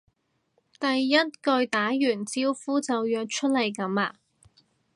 第一句打完招呼就約出嚟噉呀？